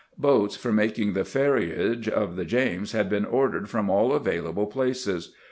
Boats for making the ferriage of the James had been ordered from aU available places.